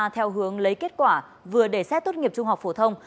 theo hướng lấy kết quả vừa để xét tốt nghiệp trung học phổ thông